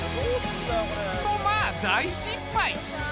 とまあ大失敗。